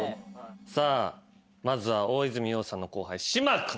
まずは大泉洋さんの後輩島君。